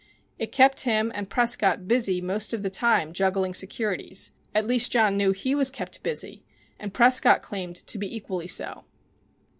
It kept him and Prescott busy most of the time juggling securities at least John knew he was kept busy, and Prescott claimed to be equally so.